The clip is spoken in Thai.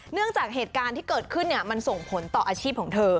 เนื่องจากเหตุการณ์ที่เกิดขึ้นมันส่งผลต่ออาชีพของเธอ